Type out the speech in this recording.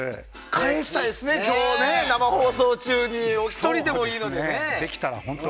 返したいですね、今日は生放送中にお一人でもいいので。